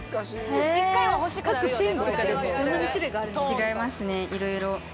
違いますねいろいろ。